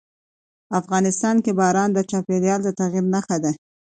افغانستان کې باران د چاپېریال د تغیر نښه ده.